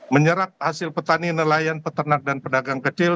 menyerap hasil petani nelayan peternak dan pedagang kecil